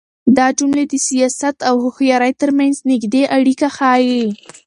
دا جملې د سياست او هوښيارۍ تر منځ نږدې اړيکه ښيي.